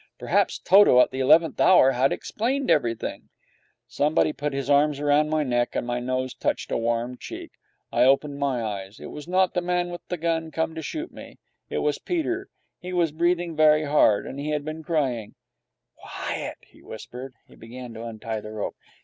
Perhaps Toto at the eleventh hour had explained everything. And then footsteps sounded outside, and the hope died away. I shut my eyes. Somebody put his arms round my neck, and my nose touched a warm cheek. I opened my eyes. It was not the man with the gun come to shoot me. It was Peter. He was breathing very hard, and he had been crying. 'Quiet!' he whispered. He began to untie the rope.